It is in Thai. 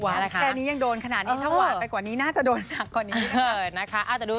แค่นี้ยังโดนขนาดนี้ถ้าหวานไปกว่านี้น่าจะโดนหนักกว่านี้นะคะ